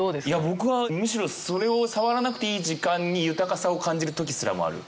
僕はむしろそれを触らなくていい時間に豊かさを感じる時すらもある。